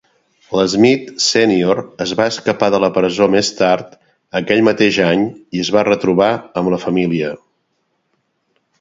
L'Smith sènior es va escapar de la presó més tard aquell mateix any i es va retrobar amb la família.